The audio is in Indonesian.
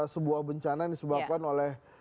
sebuah bencana yang disebabkan oleh